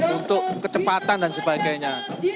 untuk kecepatan dan sebagainya